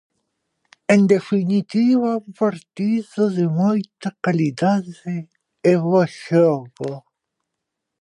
En definitiva un partido de moita calidade e bo xogo.